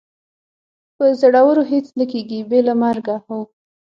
په زړورو هېڅ نه کېږي، بې له مرګه، هو.